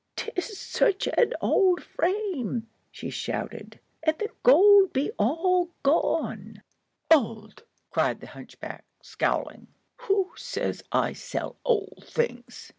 "'Tis such an old frame," she shouted, "and the gold be all gone." "Old!" cried the hunchback, scowling; "who says I sell old things?